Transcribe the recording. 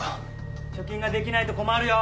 貯金ができないと困るよ。